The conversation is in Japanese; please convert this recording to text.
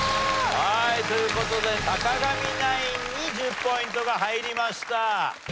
はいという事で坂上ナインに１０ポイントが入りました。